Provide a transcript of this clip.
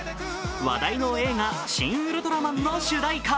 話題の映画「シン・ウルトラマン」の主題歌。